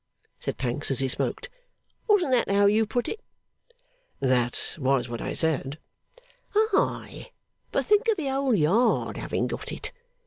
said Pancks as he smoked. 'Wasn't that how you put it?' 'That was what I said.' 'Ay! But think of the whole Yard having got it.